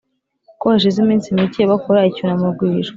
ko hashize iminsi mike bakora icyunamo rwihishwa